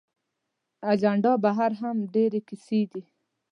اجندا بهر هم ډېرې کیسې دي.